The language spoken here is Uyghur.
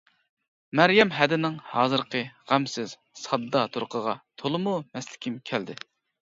مەريەم ھەدىنىڭ ھازىرقى غەمسىز، ساددا تۇرقىغا تولىمۇ مەستلىكىم كەلدى.